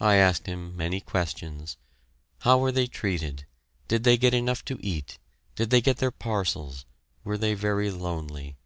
I asked him many questions. How were they treated? Did they get enough to eat? Did they get their parcels? Were they very lonely?